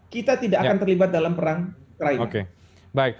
kita tidak akan terlibat dalam perang ukraina